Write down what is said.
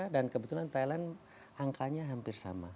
dan kebetulan thailand angkanya hampir sama